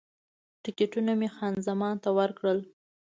ټکټونه مې خان زمان ته ورکړل.